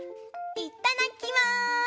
いただきます！